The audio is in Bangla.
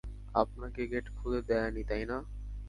আপনাকে গেট খুলে দেয় নি, তাই না?